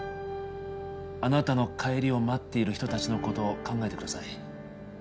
あなたの帰りを待っている人達のことを考えてください